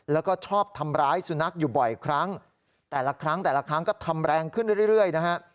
แล้วก็ชอบทำร้ายสุนัขอยู่บ่อยครั้งแต่ละครั้งแต่ละครั้งก็ทำแรงขึ้นเรื่อยนะฮะ